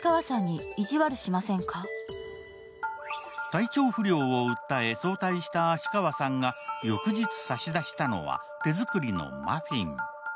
体調不良を訴え早退した芦川さんが翌日、差し出したのは手作りのマフィン。